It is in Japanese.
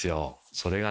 それがね